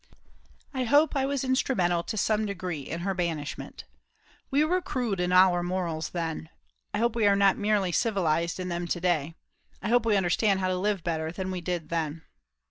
I hope I was instrumental to some degree in her banishment. We were crude in our morals then. I hope we are not merely civilised in them to day. I hope we understand how to live better than we did then.